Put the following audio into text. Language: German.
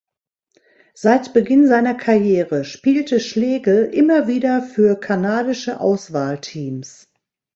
Seit Beginn seiner Karriere spielte Schlegel immer wieder für kanadische Auswahlteams.